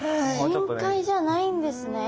深海じゃないんですね。